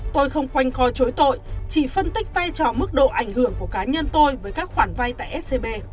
tôi không quanh co chối tội chỉ phân tích vai trò mức độ ảnh hưởng của cá nhân tôi với các khoản vay tại scb